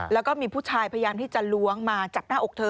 แล้วก็มีผู้ชายพยายามที่จะล้วงมาจากหน้าอกเธอ